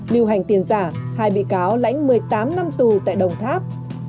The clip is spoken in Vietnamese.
lưu hành tiền giả hai bị cáo lãnh một mươi tám năm tù tại đồng tháp